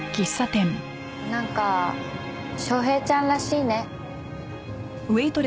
なんか昌平ちゃんらしいね。